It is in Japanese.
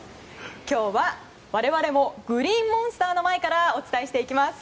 今日は我々もグリーンモンスターの前からお伝えしていきます。